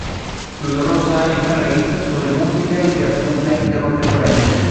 Fluido rosa, es una revista sobre música y creación plástica contemporánea.